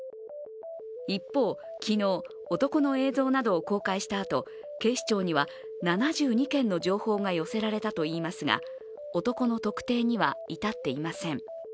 一方、昨日、男の映像などを公開したあと、警視庁には７２件の情報が寄せられたといいますが男の特定には至っていません。